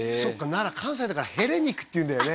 奈良関西だからヘレ肉って言うんだよね